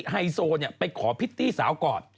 ไฮโซเนี่ยไปขอพิตตี้สาวก่อน